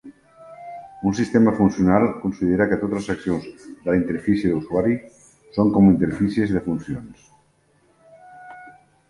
Un sistema funcional considera que totes les accions de la interfície d"usuari són com interfícies de funcions.